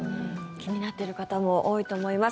気になってる方も多いと思います。